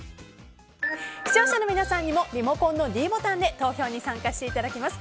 視聴者の皆さんにもリモコンのｄボタンで投票に参加していただきます。